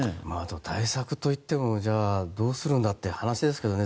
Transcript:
対策といってもどうするんだって話ですけどね。